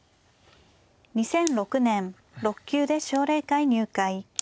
２００６年６級で奨励会入会。